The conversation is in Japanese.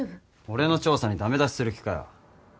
俺の調査に駄目出しする気かよ？